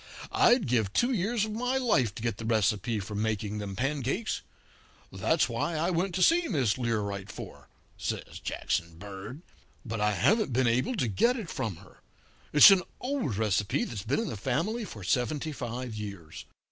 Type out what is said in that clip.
I'd give two years of my life to get the recipe for making them pancakes. That's what I went to see Miss Learight for,' says Jackson Bird, 'but I haven't been able to get it from her. It's an old recipe that's been in the family for seventy five years.